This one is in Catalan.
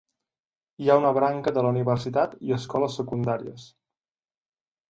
Hi ha una branca de la universitat i escoles secundàries.